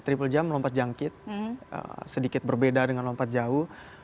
triple jam lompat jangkit sedikit berbeda dengan lompat jauh